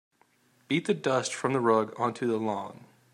Beat the dust from the rug onto the lawn.